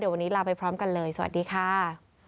วันนี้ลาไปพร้อมกันเลยสวัสดีค่ะ